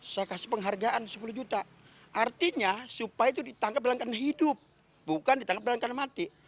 saya kasih penghargaan sepuluh juta artinya supaya itu ditangkap dengan kehidupan bukan ditangkap dengan kehidupan mati